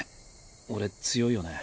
俺強いよね？